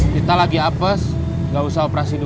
kita lagi apes gak usah operasi dulu